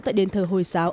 tại đền thờ hồi giáo